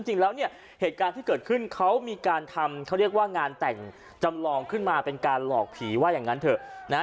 จริงแล้วเนี่ยเหตุการณ์ที่เกิดขึ้นเขามีการทำเขาเรียกว่างานแต่งจำลองขึ้นมาเป็นการหลอกผีว่าอย่างนั้นเถอะนะฮะ